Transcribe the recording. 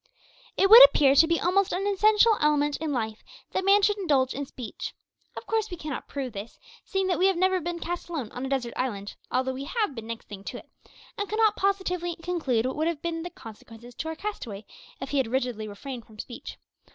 It would appear to be almost an essential element in life that man should indulge in speech. Of course we cannot prove this, seeing that we have never been cast alone on a desert island (although we have been next thing to it), and cannot positively conclude what would have been the consequences to our castaway if he had rigidly refrained from speech.